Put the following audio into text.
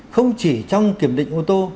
không chỉ trong kiểm định ô tô